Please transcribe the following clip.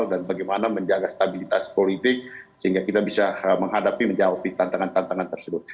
bagaimana menjaga stabilitas politik sehingga kita bisa menghadapi menjawab tantangan tantangan tersebut